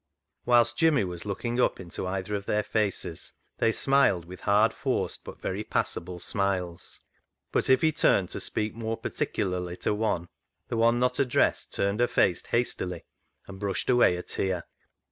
Whilst Jimmy was looking up into either of their faces they smiled with hard forced but very passable smiles, but if he turned to speak more particularly to one, the one not addressed turned her face hastily and brushed away a tear.